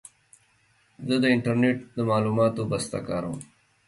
زه د انټرنېټ د معلوماتو بسته کاروم.